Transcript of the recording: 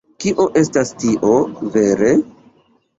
Kio estas tio, vere?